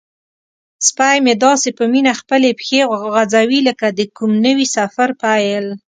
سپی مې داسې په مینه خپلې پښې غځوي لکه د کوم نوي سفر پیل.